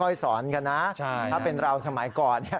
ค่อยสอนกันนะถ้าเป็นเราสมัยก่อน